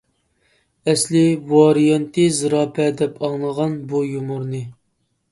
ئەسلى ۋارىيانتى زىراپە دەپ ئاڭلىغان بۇ يۇمۇرنى.